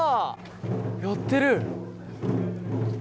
やってる。